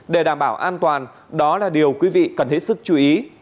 để đảm bảo an toàn đó là điều quý vị cần hết sức chú ý